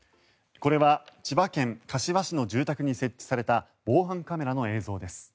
これは千葉県柏市の住宅に設置された防犯カメラの映像です。